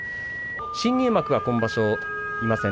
新入幕は今場所いません。